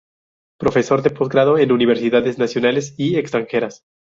Profesor de posgrado en Universidades nacionales y Extranjeras.